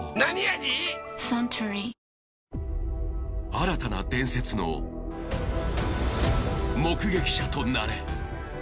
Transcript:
新たな伝説の目撃者となれ。